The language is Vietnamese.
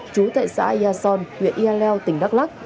chú tại xã yason huyện yaleo tỉnh đắk lắc